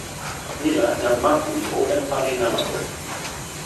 ni la, jan Maku li open pali namako.